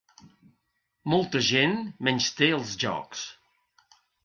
Molta gent menysté els jocs.